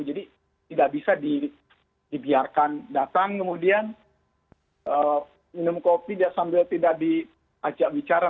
jadi tidak bisa dibiarkan datang kemudian minum kopi sambil tidak diajak bicara